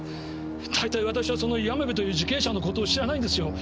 だいたい私はその山部という受刑者のことを知らないんですよ。